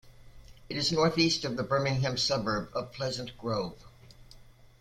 It is northeast of the Birmingham suburb of Pleasant Grove.